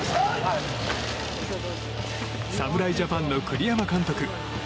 侍ジャパンの栗山監督。